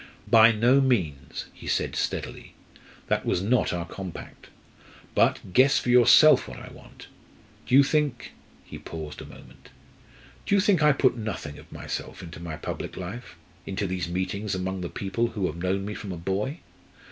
"By no means," he said steadily. "That was not our compact. But guess for yourself what I want! Do you think" he paused a moment "do you think I put nothing of myself into my public life into these meetings among the people who have known me from a boy?